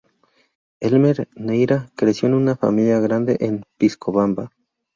Elmer Neyra creció en una familia grande en Piscobamba.